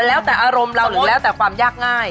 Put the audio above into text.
แล้วแต่อารมณ์เราหรือแล้วแต่ความยากง่าย